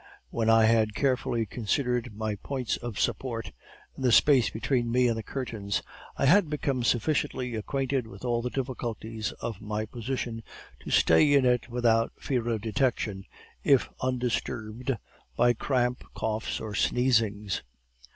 When I had carefully considered my points of support, and the space between me and the curtains, I had become sufficiently acquainted with all the difficulties of my position to stay in it without fear of detection if undisturbed by cramp, coughs, or sneezings.